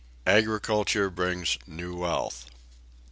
AGRICULTURE BRINGS NEW WEALTH.